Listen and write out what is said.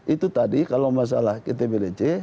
itu tadi kalau masalah itbdc